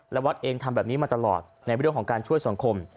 และวัดเองทำแบบนี้มาตลอดในเรื่องของการช่วยสังคม